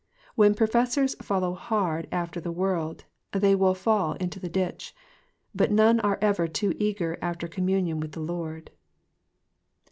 When professors follow hard after the world, they will fall into the ditch ; but none are ever too eager after communion with the Lord.